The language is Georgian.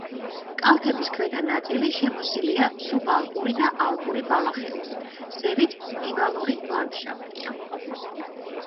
კალთების ქვედა ნაწილი შემოსილია სუბალპური და ალპური ბალახეულით, ზევით ნივალური ლანდშაფტია.